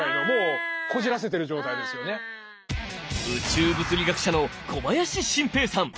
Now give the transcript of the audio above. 宇宙物理学者の小林晋平さん。